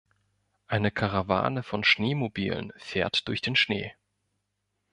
Eine Karawane von Schneemobilen fährt durch den Schnee.